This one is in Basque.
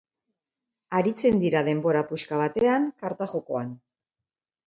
Aritzen dira denbora puska batean karta-jokoan.